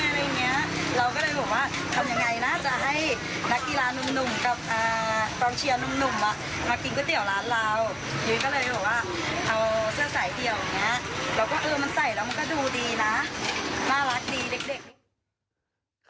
น่ารักดีเด็ก